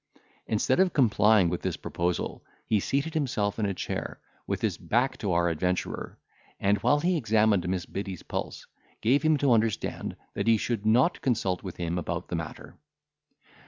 Instead of complying with this proposal, he seated himself in a chair, with his back to our adventurer, and, while he examined Miss Biddy's pulse, gave him to understand, that he should not consult with him about the matter.